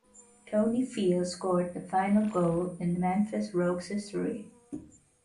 Tony Field scored the final goal in Memphis Rogues history.